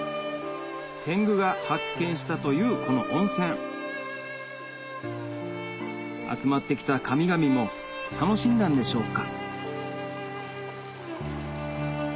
天狗が発見したというこの温泉集まって来た神々も楽しんだんでしょうか